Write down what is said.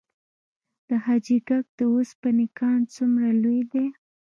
د حاجي ګک د وسپنې کان څومره لوی دی؟